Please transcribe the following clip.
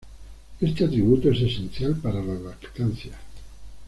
Este atributo es esencial para la lactancia.